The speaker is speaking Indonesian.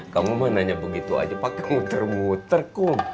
kamu mau nanya begitu aja pake nguter nguter kum